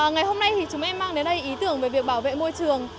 ngày hôm nay thì chúng em mang đến đây ý tưởng về việc bảo vệ môi trường